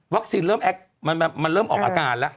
วัคซีนเริ่มออกอาการแล้ว